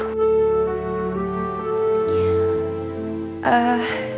semoga cepat sembuh